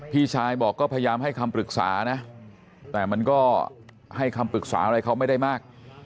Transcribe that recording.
พี่ชายบอกก็พยายามให้คำปรึกษานะแต่มันก็ให้คำปรึกษาอะไรเขาไม่ได้มาก